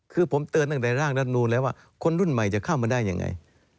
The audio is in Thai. คือผมเตือนตั้งแต่ร่างรัฐนูลแล้วว่าคนรุ่นใหม่จะเข้ามาได้ยังไง